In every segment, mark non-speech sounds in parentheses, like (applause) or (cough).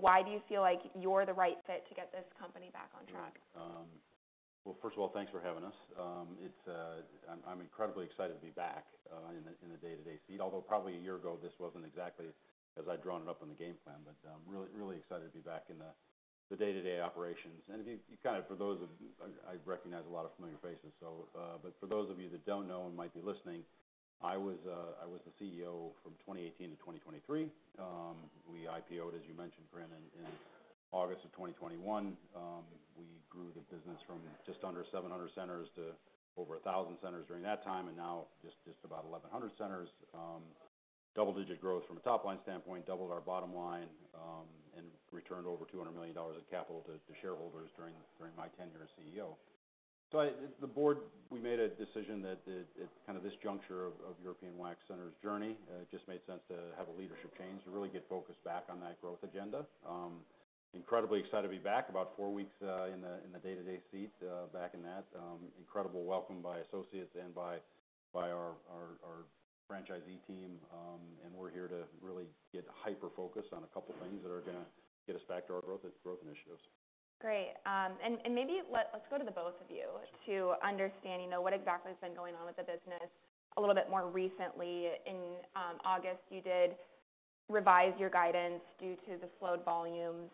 Why do you feel like you're the right fit to get this company back on track? Well, first of all, thanks for having us. I'm incredibly excited to be back in the day-to-day seat. Although, probably a year ago, this wasn't exactly as I'd drawn it up on the game plan. But really excited to be back in the day-to-day operations. I recognize a lot of familiar faces, so but for those of you that don't know and might be listening, I was the CEO from 2018 to 2023. We IPO'd, as you mentioned, Korinne, in August of 2021. We grew the business from just under 700 centers to over 1,000 centers during that time, and now just about 1,100 centers. Double-digit growth from a top-line standpoint, doubled our bottom line, and returned over $200 million of capital to shareholders during my tenure as CEO. So I, the board, we made a decision that at kind of this juncture of European Wax Center's journey, it just made sense to have a leadership change, to really get focused back on that growth agenda. Incredibly excited to be back. About four weeks in the day-to-day seat, back in that. Incredible welcome by associates and by our franchisee team, and we're here to really get hyper-focused on a couple things that are gonna get us back to our growth initiatives. Great. And maybe let's go to the both of you to understand, you know, what exactly has been going on with the business a little bit more recently. In August, you did revise your guidance due to the slowed volumes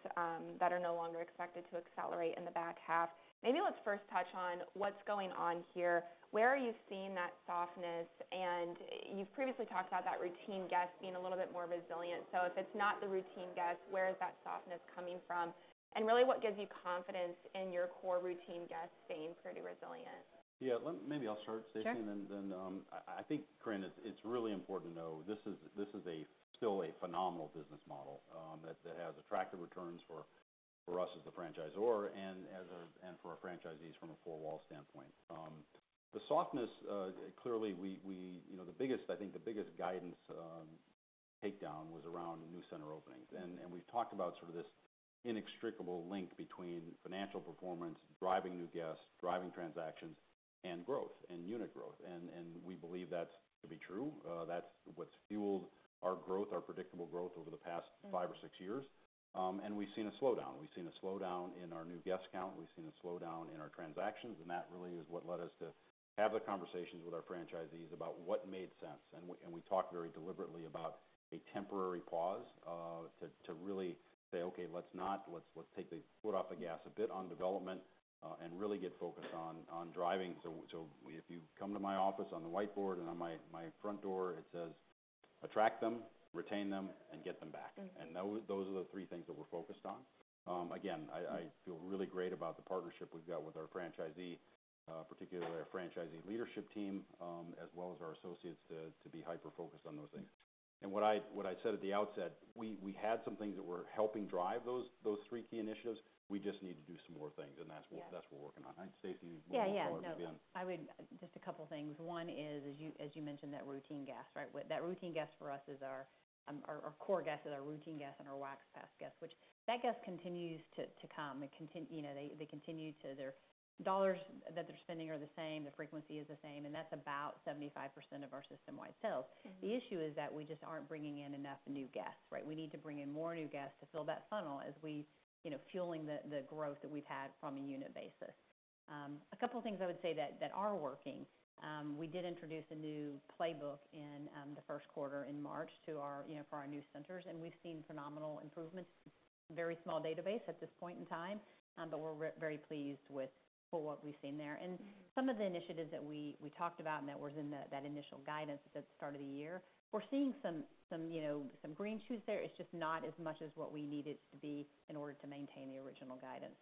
that are no longer expected to accelerate in the back half. Maybe let's first touch on what's going on here. Where are you seeing that softness? And you've previously talked about that routine guest being a little bit more resilient. So if it's not the routine guest, where is that softness coming from? And really, what gives you confidence in your core routine guest staying pretty resilient? Yeah, let, maybe I'll start, Stacie- Sure. -and then, I think, Korinne, it's really important to know this is still a phenomenal business model that has attractive returns for us as the franchisor and for our franchisees from a four-wall standpoint. The softness, clearly, we, you know, the biggest guidance takedown, I think, was around new center openings. We've talked about sort of this inextricable link between financial performance, driving new guests, driving transactions, and growth, and unit growth. We believe that to be true. That's what's fueled our growth, our predictable growth over the past- Mm-hmm. - five or six years. And we've seen a slowdown in our new guest count, we've seen a slowdown in our transactions, and that really is what led us to have the conversations with our franchisees about what made sense. And we talked very deliberately about a temporary pause to really say, "Okay, let's not, let's, let's take the foot off the gas a bit on development and really get focused on driving." So if you come to my office, on the whiteboard and on my front door, it says, "Attract them, retain them, and get them back. Mm-hmm. And those are the three things that we're focused on. Again, I feel really great about the partnership we've got with our franchisee, particularly our franchisee leadership team, as well as our associates, to be hyper-focused on those things. And what I said at the outset, we had some things that were helping drive those three key initiatives. We just need to do some more things, and that's what- Yeah -that's what we're working on. And Stacie, you want to comment again? Yeah, yeah. No, I would just a couple of things. One is, as you mentioned, that routine guest, right? Well, that routine guest for us is our core guest is our routine guest and our Wax Pass guest, which that guest continues to come and continue. You know, they continue to. Their dollars that they're spending are the same, the frequency is the same, and that's about 75% of our system-wide sales. Mm-hmm. The issue is that we just aren't bringing in enough new guests, right? We need to bring in more new guests to fill that funnel as we, you know, fueling the growth that we've had from a unit basis. A couple of things I would say that are working, we did introduce a new playbook in the first quarter in March to our, you know, for our new centers, and we've seen phenomenal improvements. Very small database at this point in time, but we're very pleased with what we've seen there. Mm-hmm. And some of the initiatives that we talked about and that was in that initial guidance at the start of the year, we're seeing some, you know, some green shoots there. It's just not as much as what we need it to be in order to maintain the original guidance.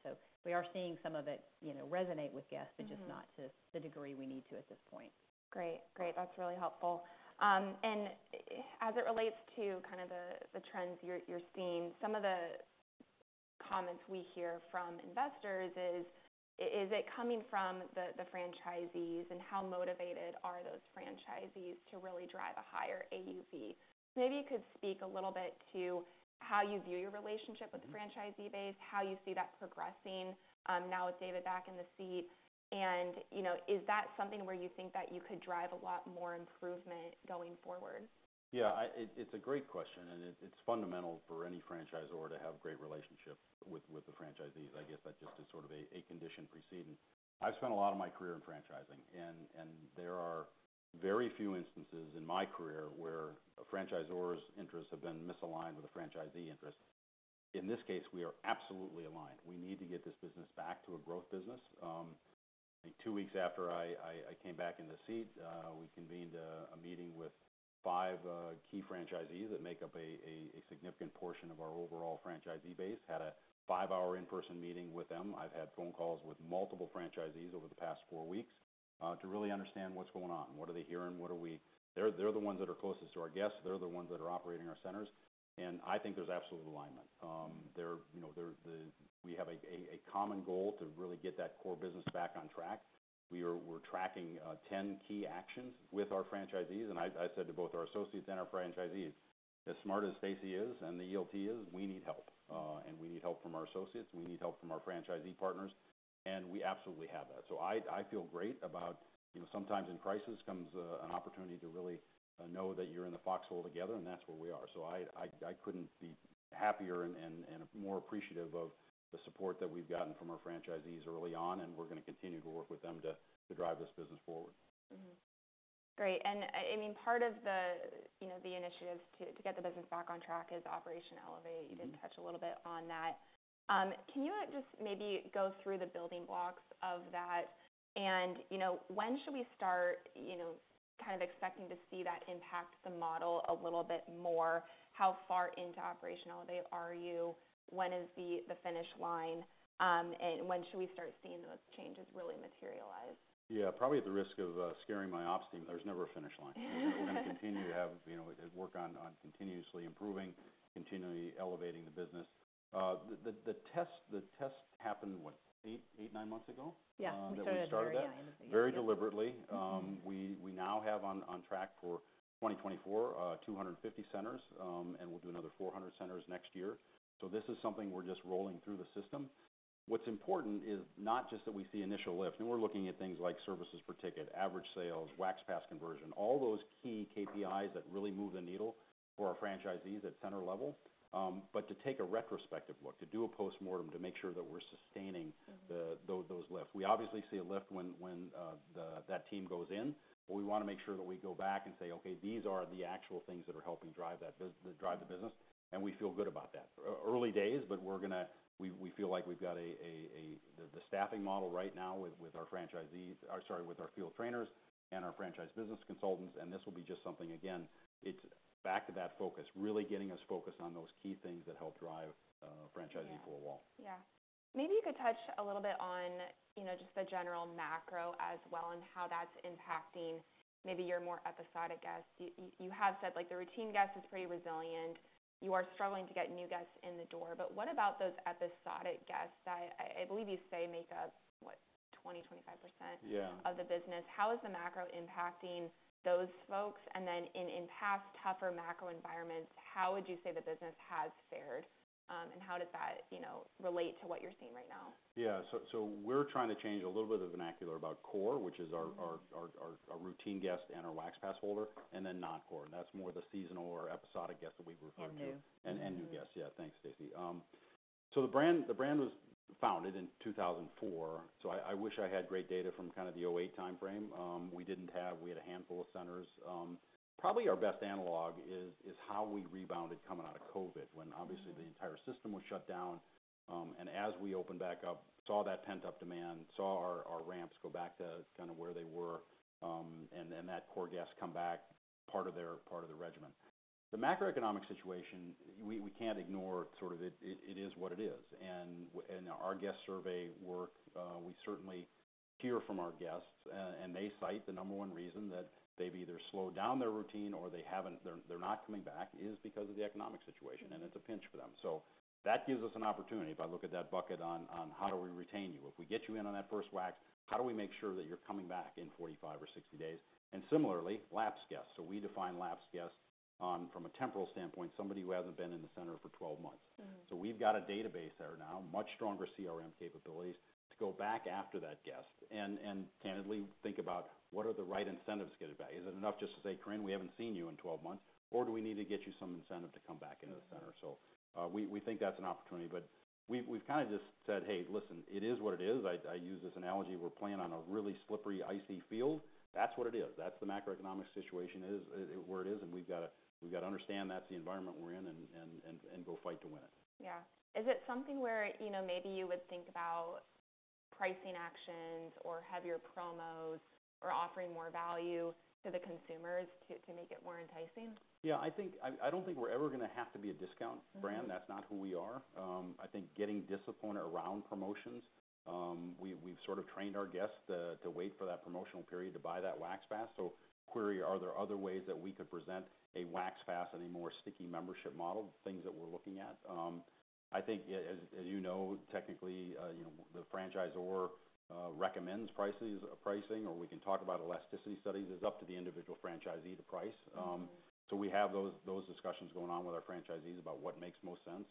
We are seeing some of it, you know, resonate with guests- Mm-hmm -but just not to the degree we need to at this point. Great. Great, that's really helpful. And as it relates to kind of the trends you're seeing, some of the comments we hear from investors is: is it coming from the franchisees, and how motivated are those franchisees to really drive a higher AUV? Maybe you could speak a little bit to how you view your relationship with the franchisee base, how you see that progressing, now with David back in the seat. And, you know, is that something where you think that you could drive a lot more improvement going forward? Yeah, it's a great question, and it's fundamental for any franchisor to have great relationship with the franchisees. I guess that just is sort of a condition precedent. I've spent a lot of my career in franchising, and there are very few instances in my career where a franchisor's interests have been misaligned with a franchisee interest. In this case, we are absolutely aligned. We need to get this business back to a growth business. I think two weeks after I came back in the seat, we convened a meeting with five key franchisees that make up a significant portion of our overall franchisee base. Had a five-hour in-person meeting with them. I've had phone calls with multiple franchisees over the past four weeks, to really understand what's going on, what are they hearing. They're the ones that are closest to our guests. They're the ones that are operating our centers, and I think there's absolute alignment. You know, we have a common goal to really get that core business back on track. We're tracking ten key actions with our franchisees, and I said to both our associates and our franchisees, "As smart as Stacie is and the ELT is, we need help. And we need help from our associates, and we need help from our franchisee partners, and we absolutely have that. So I feel great about, you know, sometimes in crisis comes an opportunity to really know that you're in the foxhole together, and that's where we are. So I couldn't be happier and more appreciative of the support that we've gotten from our franchisees early on, and we're gonna continue to work with them to drive this business forward. Mm-hmm. Great. And I mean, part of the, you know, the initiatives to get the business back on track is Operation Elevate. Mm-hmm. You did touch a little bit on that. Can you just maybe go through the building blocks of that? And, you know, when should we start, you know, kind of expecting to see that impact the model a little bit more? How far into Operation Elevate are you? When is the finish line, and when should we start seeing those changes really materialize? Yeah, probably at the risk of scaring my ops team, there's never a finish line. We're gonna continue to have, you know, work on continuously improving, continually elevating the business. The test happened, what? Eight or nine months ago- Yeah. that we started it. (crosstalk) Very deliberately. Mm-hmm. We now have on track for 2024, 250 centers, and we'll do another 400 centers next year. So this is something we're just rolling through the system. What's important is not just that we see initial lift, and we're looking at things like services per ticket, average sales, Wax Pass conversion, all those key KPIs that really move the needle for our franchisees at center level. But to take a retrospective look, to do a postmortem, to make sure that we're sustaining- Mm. Those lifts. We obviously see a lift when that team goes in, but we wanna make sure that we go back and say, "Okay, these are the actual things that are helping drive the business," and we feel good about that. Early days, but we're gonna. We feel like we've got the staffing model right now with our franchisees, or sorry, with our field trainers and our franchise business consultants, and this will be just something again, it's back to that focus, really getting us focused on those key things that help drive franchising. Yeah -forward. Yeah. Maybe you could touch a little bit on, you know, just the general macro as well, and how that's impacting maybe your more episodic guests. You have said, like, the routine guest is pretty resilient. You are struggling to get new guests in the door, but what about those episodic guests that I believe you say make up, what? 20%-25%- Yeah -of the business. How is the macro impacting those folks? And then in past tougher macro environments, how would you say the business has fared, and how does that, you know, relate to what you're seeing right now? Yeah. So we're trying to change a little bit of the vernacular about core, which is our- Mm-hmm -our routine guest and our Wax Pass holder, and then not core, and that's more the seasonal or episodic guest that we've referred to. And new. And new guests. Mm-hmm. Yeah, thanks, Stacie. So the brand was founded in 2004, so I wish I had great data from kind of the 2008 timeframe. We had a handful of centers. Probably our best analog is how we rebounded coming out of COVID, when obviously- Mm -the entire system was shut down, and as we opened back up, saw that pent-up demand, saw our ramps go back to kind of where they were, and then that core guest come back part of their regimen. The macroeconomic situation, we can't ignore sort of it, it is what it is, and our guest survey work, we certainly hear from our guests, and they cite the number one reason that they've either slowed down their routine or they haven't, they're not coming back, is because of the economic situation, and it's a pinch for them. So that gives us an opportunity. If I look at that bucket on how do we retain you? If we get you in on that first wax, how do we make sure that you're coming back in forty-five or sixty days? And similarly, lapsed guests, so we define lapsed guests, from a temporal standpoint, somebody who hasn't been in the center for twelve months. Mm-hmm. We've got a database there now, much stronger CRM capabilities, to go back after that guest and candidly think about what are the right incentives to get it back? Is it enough just to say, "Korrine, we haven't seen you in twelve months, or do we need to get you some incentive to come back into the center? Mm. So, we think that's an opportunity, but we've kind of just said, "Hey, listen, it is what it is." I use this analogy, we're playing on a really slippery, icy field. That's what it is. That's the macroeconomic situation is where it is, and we've got to understand that's the environment we're in and go fight to win it. Yeah. Is it something where, you know, maybe you would think about pricing actions or heavier promos or offering more value to the consumers to, to make it more enticing? Yeah, I think, I, I don't think we're ever gonna have to be a discount brand. Mm-hmm. That's not who we are. I think getting discipline around promotions, we've sort of trained our guests to wait for that promotional period to buy that Wax Pass. So query, are there other ways that we could present a Wax Pass and a more sticky membership model? Things that we're looking at. I think as, as you know, technically, you know, the franchisor recommends prices, pricing, or we can talk about elasticity studies. It's up to the individual franchisee to price. Mm-hmm. We have those discussions going on with our franchisees about what makes most sense,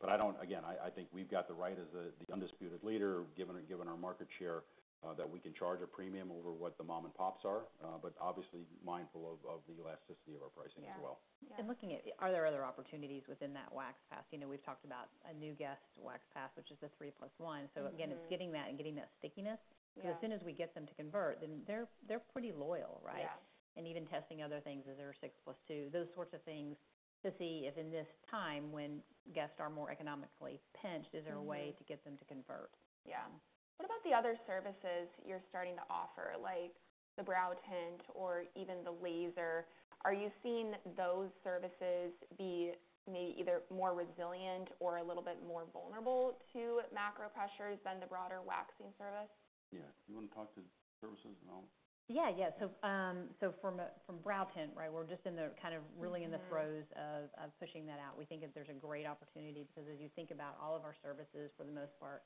but I don't, again, I think we've got the right as the undisputed leader, given our market share, that we can charge a premium over what the mom and pops are, but obviously mindful of the elasticity of our pricing as well. Yeah. Yeah. Looking at, are there other opportunities within that Wax Pass? You know, we've talked about a new guest Wax Pass, which is a three plus one. Mm-hmm. So again, it's getting that and getting that stickiness. Yeah. Because as soon as we get them to convert, then they're pretty loyal, right? Yeah. Even testing other things, is there a six plus two? Those sorts of things to see if in this time, when guests are more economically pinched- Mm-hmm -is there a way to get them to convert? Yeah. What about the other services you're starting to offer, like the brow tint or even the laser? Are you seeing those services be maybe either more resilient or a little bit more vulnerable to macro pressures than the broader waxing service? Yeah. You wanna talk to the services, and I'll. Yeah, yeah. So, from brow tint, right? We're just in the kind of really in- Mm -the throes of pushing that out. We think that there's a great opportunity because as you think about all of our services, for the most part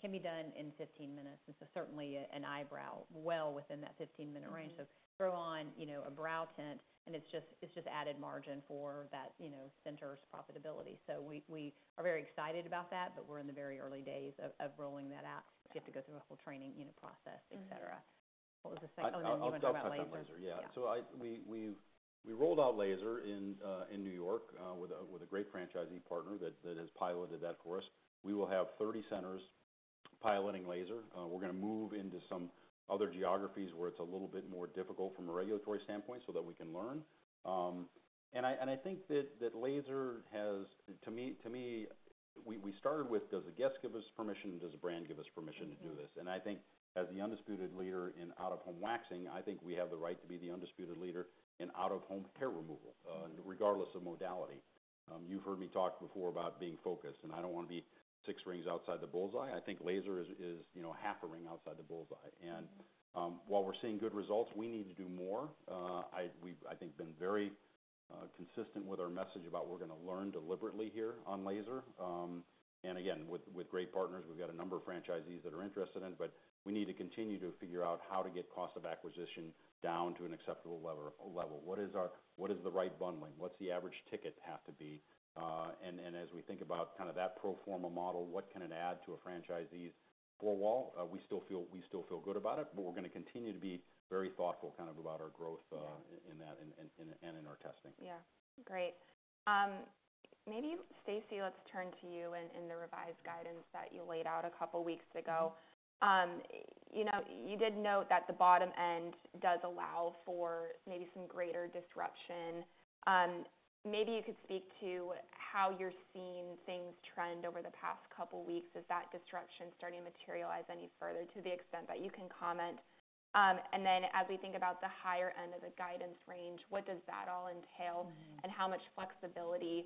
can be done in fifteen minutes, and so certainly an eyebrow well within that fifteen-minute range. Mm-hmm. So throw on, you know, a brow tint, and it's just added margin for that, you know, center's profitability. So we are very excited about that, but we're in the very early days of rolling that out. Yeah. We have to go through a whole training unit process- Mm-hmm -et cetera. What was the second? Oh, you want to talk about laser. I'll touch on laser. Yeah. Yeah. We've rolled out laser in New York with a great franchisee partner that has piloted that for us. We will have 30 centers piloting laser. We're gonna move into some other geographies where it's a little bit more difficult from a regulatory standpoint, so that we can learn, and I think that laser has, to me, to me, we started with, Does a guest give us permission? Does a brand give us permission to do this? Mm-hmm. I think as the undisputed leader in out-of-home waxing, I think we have the right to be the undisputed leader in out-of-home hair removal, regardless of modality. You've heard me talk before about being focused, and I don't want to be six rings outside the bull's-eye. I think laser is, you know, half a ring outside the bull's eye. Mm-hmm. While we're seeing good results, we need to do more. We've, I think, been very consistent with our message about we're gonna learn deliberately here on laser. And again, with great partners, we've got a number of franchisees that are interested in, but we need to continue to figure out how to get cost of acquisition down to an acceptable level. What is the right bundling? What's the average ticket have to be? And as we think about kind of that pro forma model, what can it add to a franchisee's four-wall? We still feel good about it, but we're gonna continue to be very thoughtful kind of about our growth- Yeah -in that and in our testing. Yeah. Great. Maybe Stacie, let's turn to you. In the revised guidance that you laid out a couple weeks ago- Mm-hmm -you know, you did note that the bottom end does allow for maybe some greater disruption. Maybe you could speak to how you're seeing things trend over the past couple weeks. Is that disruption starting to materialize any further, to the extent that you can comment, and then as we think about the higher end of the guidance range, what does that all entail? Mm-hmm. And how much flexibility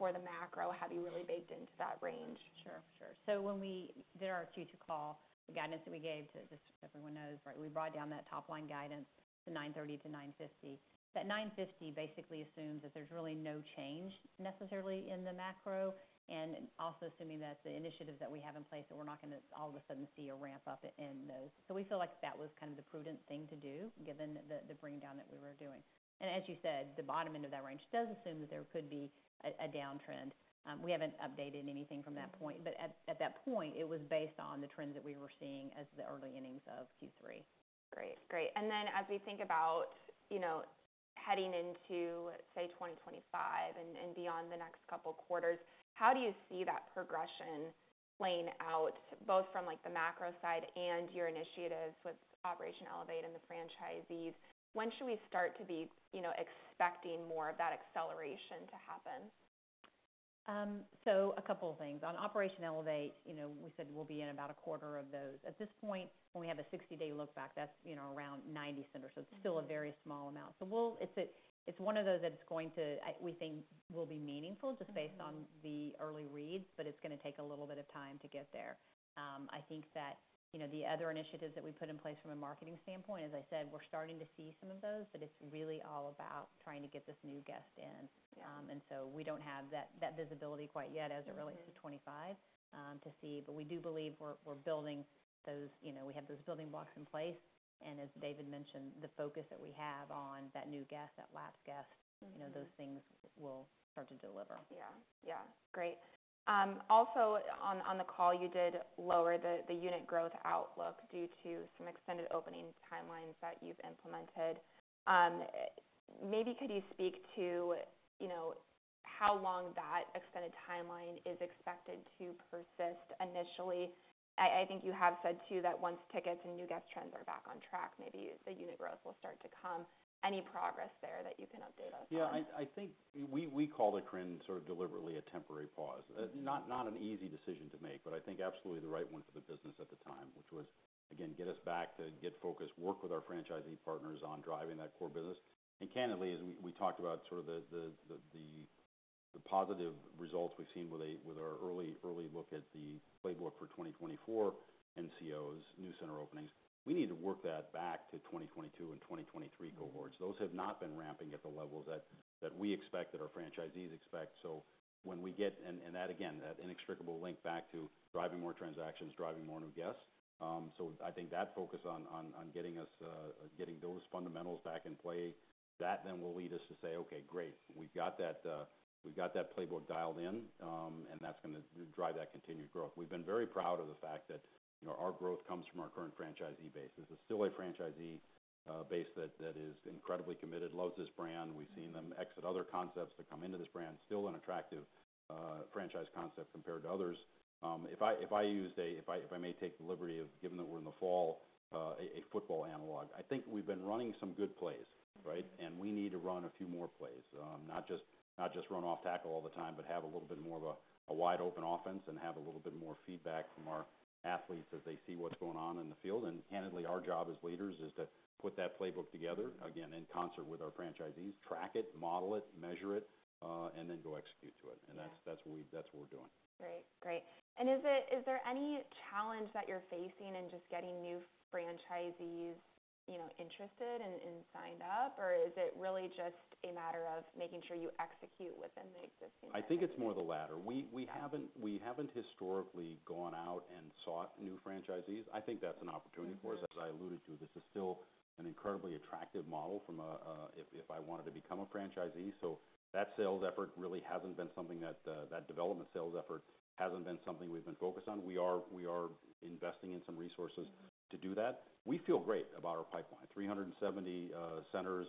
for the macro have you really baked into that range? Sure, sure. So when we did our Q2 call, the guidance that we gave to, just so everyone knows, right, we brought down that top-line guidance to $930 million-$950 million. That $950 million basically assumes that there's really no change necessarily in the macro, and also assuming that the initiatives that we have in place, that we're not gonna all of a sudden see a ramp-up in those. So we feel like that was kind of the prudent thing to do, given the bring down that we were doing. And as you said, the bottom end of that range does assume that there could be a downtrend. We haven't updated anything from that point, but at that point, it was based on the trends that we were seeing as the early innings of Q3. Great, great. And then as we think about, you know, heading into, say, twenty twenty-five and beyond the next couple quarters, how do you see that progression playing out, both from, like, the macro side and your initiatives with Operation Elevate and the franchisees? When should we start to be, you know, expecting more of that acceleration to happen? So a couple of things. On Operation Elevate, you know, we said we'll be in about a quarter of those. At this point, when we have a 60-day look-back, that's, you know, around 90 centers. Mm-hmm. So it's still a very small amount. So we'll, it's, it's one of those that's going to, we think will be meaningful- Mm-hmm -just based on the early reads, but it's gonna take a little bit of time to get there. I think that, you know, the other initiatives that we put in place from a marketing standpoint, as I said, we're starting to see some of those, but it's really all about trying to get this new guest in. Yeah. And so we don't have that visibility quite yet as it relates- Mm-hmm -to twenty-five, to see, but we do believe we're building those, you know, we have those building blocks in place, and as David mentioned, the focus that we have on that new guest, that last guest- Mm-hmm -you know, those things will start to deliver. Yeah. Yeah. Great. Also on the call, you did lower the unit growth outlook due to some extended opening timelines that you've implemented. Maybe could you speak to, you know, how long that extended timeline is expected to persist initially? I think you have said, too, that once tickets and new guest trends are back on track, maybe the unit growth will start to come. Any progress there that you can update us on? Yeah, I think we called it, Korinne, sort of deliberately a temporary pause. Mm-hmm. Not an easy decision to make, but I think absolutely the right one for the business at the time, which was, again, get us back to get focused, work with our franchisee partners on driving that core business. And candidly, as we talked about sort of the positive results we've seen with our early look at the playbook for 2024 NCOs, new center openings, we need to work that back to 2022 and 2023 cohorts. Mm-hmm. Those have not been ramping at the levels that, that we expect, that our franchisees expect. So when we get that, again, that inextricable link back to driving more transactions, driving more new guests. So I think that focus on getting us getting those fundamentals back in play, that then will lead us to say, "Okay, great. We've got that, we've got that playbook dialed in," and that's gonna drive that continued growth. We've been very proud of the fact that, you know, our growth comes from our current franchisee base. This is still a franchisee base that, that is incredibly committed, loves this brand. Mm-hmm. We've seen them exit other concepts to come into this brand. Still an attractive franchise concept compared to others. If I may take the liberty of, given that we're in the fall, a football analog, I think we've been running some good plays, right? Mm-hmm. We need to run a few more plays. Not just run off tackle all the time, but have a little bit more of a wide open offense and have a little bit more feedback from our athletes as they see what's going on in the field. Candidly, our job as leaders is to put that playbook together- Mm-hmm -again, in concert with our franchisees, track it, model it, measure it, and then go execute to it. Yeah. And that's what we're doing. Great. Great. And is there any challenge that you're facing in just getting new franchisees, you know, interested and signed up? Or is it really just a matter of making sure you execute within the existing parameters? I think it's more the latter. We haven't historically gone out and sought new franchisees. I think that's an opportunity for us. Mm-hmm. As I alluded to, this is still an incredibly attractive model from a, If I wanted to become a franchisee. So that sales effort really hasn't been something that, that development sales effort hasn't been something we've been focused on. We are investing in some resources- Mm-hmm -to do that. We feel great about our pipeline. 370 centers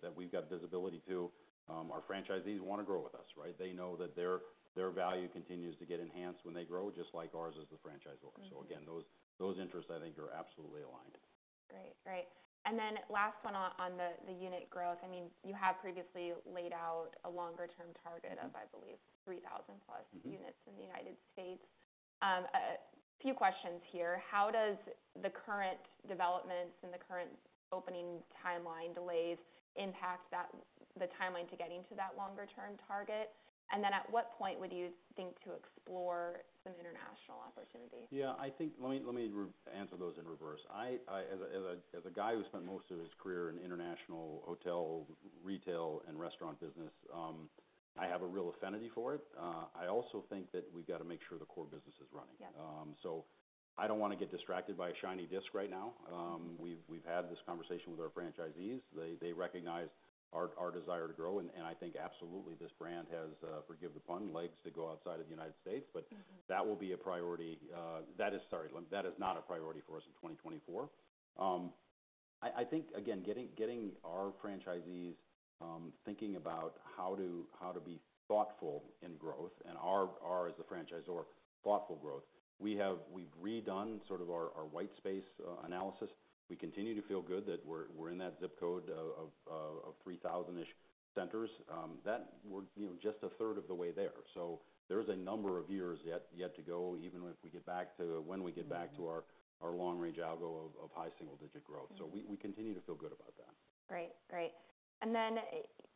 that we've got visibility to. Our franchisees want to grow with us, right? They know that their value continues to get enhanced when they grow, just like ours as the franchisor. Mm-hmm. Again, those interests, I think, are absolutely aligned. Great, great. And then last one on the unit growth. I mean, you have previously laid out a longer-term target of, I believe, 3000+ - Mm-hmm -units in the United States. A few questions here: how does the current developments and the current opening timeline delays impact that, the timeline to getting to that longer-term target? And then, at what point would you think to explore some international opportunities? Yeah, I think let me answer those in reverse. I, as a guy who spent most of his career in international hotel, retail, and restaurant business, I have a real affinity for it. I also think that we've got to make sure the core business is running. Yes. I don't want to get distracted by a shiny object right now. We've had this conversation with our franchisees. They recognize our desire to grow, and I think absolutely this brand has, forgive the pun, legs to go outside of the United States. Mm-hmm. But that will be a priority. That is, sorry, that is not a priority for us in 2024. I think, again, getting our franchisees thinking about how to be thoughtful in growth and our, as a franchisor, thoughtful growth. We've redone sort of our white space analysis. We continue to feel good that we're in that zip code of 3,000-ish centers, that we're, you know, just a third of the way there. So there's a number of years yet to go, even if we get back to, when we get back- Mm-hmm -to our long-range algo of high single-digit growth. Mm-hmm. So we continue to feel good about that. Great. Great. And then,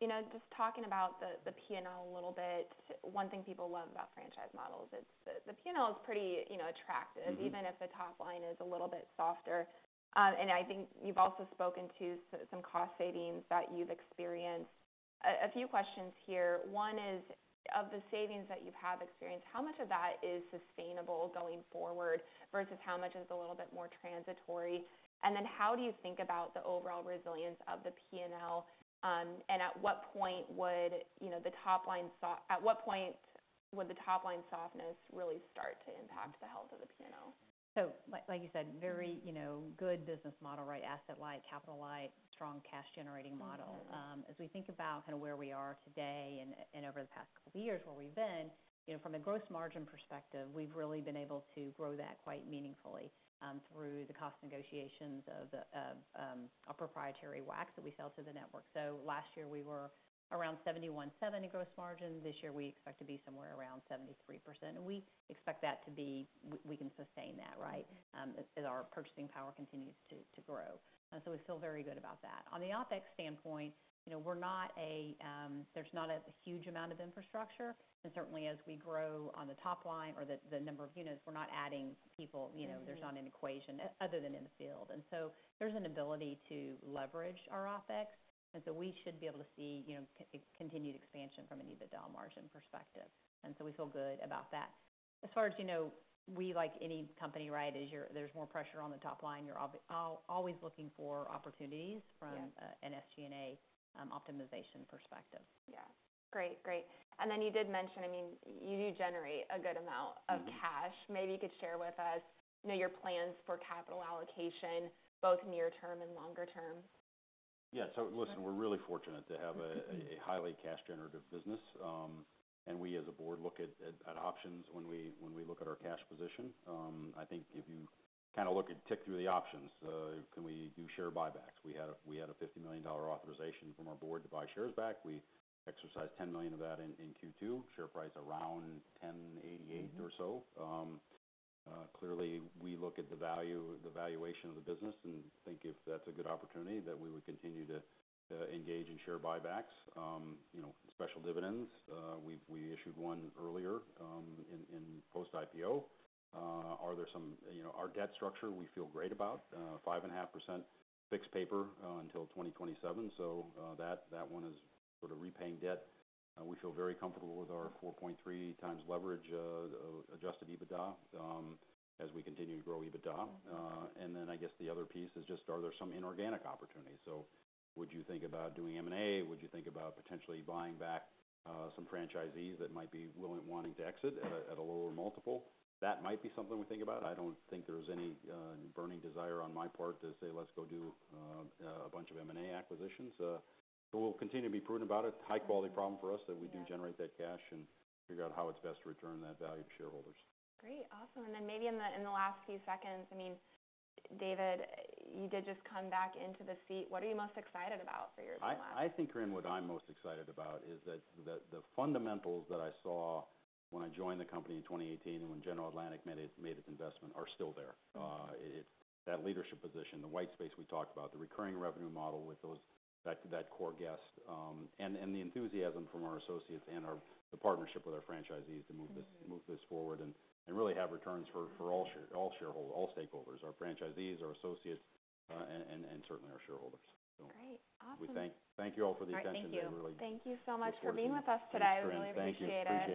you know, just talking about the P&L a little bit, one thing people love about franchise models is the P&L is pretty, you know, attractive. Mm-hmm. Even if the top line is a little bit softer. And I think you've also spoken to some cost savings that you've experienced. A few questions here. One is, of the savings that you have experienced, how much of that is sustainable going forward, versus how much is a little bit more transitory? And then how do you think about the overall resilience of the P&L? And at what point would, you know, the top line softness really start to impact the health of the P&L? Like you said, very, you know, good business model, right? Asset light, capital light, strong cash-generating model. Mm-hmm. As we think about kind of where we are today and over the past couple of years, where we've been, you know, from a gross margin perspective, we've really been able to grow that quite meaningfully through the cost negotiations of our proprietary wax that we sell to the network. So last year, we were around 71.7% in gross margin. This year, we expect to be somewhere around 73%, and we expect that to be, we can sustain that, right? Mm-hmm. As our purchasing power continues to grow, and so we feel very good about that. On the OpEx standpoint, you know, there's not a huge amount of infrastructure, and certainly, as we grow on the top line or the number of units, we're not adding people, you know- Mm-hmm -there's not an equation, other than in the field. And so there's an ability to leverage our OpEx, and so we should be able to see, you know, continued expansion from an EBITDA margin perspective, and so we feel good about that. As far as you know, we, like any company, right, there's more pressure on the top line, you're obviously always looking for opportunities from- Yes -an SG&A optimization perspective. Yeah. Great. Great. And then you did mention, I mean, you do generate a good amount- Mm-hmm -of cash. Maybe you could share with us, you know, your plans for capital allocation, both near term and longer term? Yeah. So listen, we're really fortunate to have a highly cash-generative business, and we, as a board, look at options when we look at our cash position. I think if you kind of look at, tick through the options, can we do share buybacks? We had a $50 million authorization from our board to buy shares back. We exercised $10 million of that in Q2, share price around $10.88 or so. Mm-hmm. Clearly, we look at the value, the valuation of the business and think if that's a good opportunity, that we would continue to engage in share buybacks, you know, special dividends. We issued one earlier in post-IPO. You know, our debt structure, we feel great about 5.5% fixed paper until 2027. That one is sort of repaying debt. We feel very comfortable with our 4.3x leverage of adjusted EBITDA as we continue to grow EBITDA. Mm-hmm. And then I guess the other piece is just, are there some inorganic opportunities? So would you think about doing M&A? Would you think about potentially buying back some franchisees that might be willing, wanting to exit at a lower multiple? That might be something we think about. I don't think there's any burning desire on my part to say: Let's go do a bunch of M&A acquisitions. But we'll continue to be prudent about it. Yes. High-quality problem for us, that we do- Yeah -generate that cash and figure out how it's best to return that value to shareholders. Great. Awesome. And then maybe in the last few seconds, I mean, David, you did just come back into the seat. What are you most excited about for your time back? I think, Korinne, what I'm most excited about is that the fundamentals that I saw when I joined the company in 2018 and when General Atlantic made its investment are still there. Mm-hmm. That leadership position, the white space we talked about, the recurring revenue model with those that, that core guest, and the enthusiasm from our associates and the partnership with our franchisees to move this- Mm-hmm -move this forward and really have returns for all shareholders, all stakeholders, our franchisees, our associates, and certainly our shareholders. So- Great. Awesome. We thank you all for the attention today, really. Thank you. Thank you so much for being with us today. Thank you. Really appreciate it. Appreciate it.